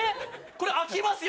これ開きますよ。